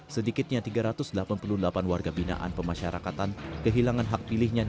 sedikitnya tiga ratus delapan puluh delapan warga binaan pemasyarakatan kehilangan hak pilihnya